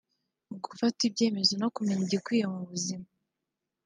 mu gufata ibyemezo no kumenya igikwiye mu buzima